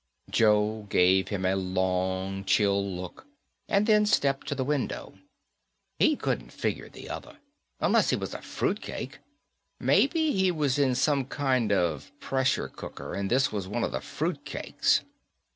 Joe gave him a long, chill look and then stepped to the window. He couldn't figure the other. Unless he was a fruitcake. Maybe he was in some kind of pressure cooker and this was one of the fruitcakes.